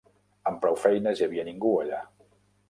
Amb prou feines hi havia ningú allà.